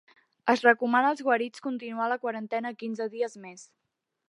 Es recomana als guarits continuar la quarantena quinze dies més